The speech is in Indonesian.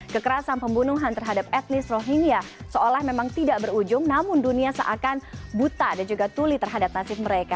kekerasan pembunuhan terhadap etnis rohingya seolah memang tidak berujung namun dunia seakan buta dan juga tuli terhadap nasib mereka